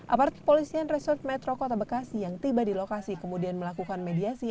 apartik polisian resort metro kota bekasi yang tiba di lokasi kemudian melakukan medikasi